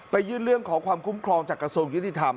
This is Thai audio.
ยื่นเรื่องขอความคุ้มครองจากกระทรวงยุติธรรม